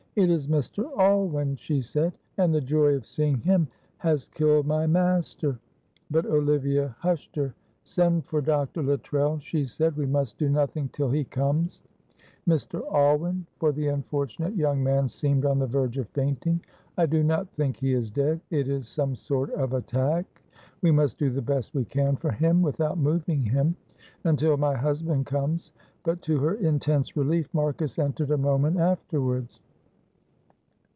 "It is Mr. Alwyn," she said, "and the joy of seeing him has killed my master." But Olivia hushed her. "Send for Dr. Luttrell," she said; "we must do nothing till he comes. Mr. Alwyn," for the unfortunate young man seemed on the verge of fainting, "I do not think he is dead; it is some sort of attack. We must do the best we can for him, without moving him, until my husband comes." But to her intense relief Marcus entered a moment afterwards.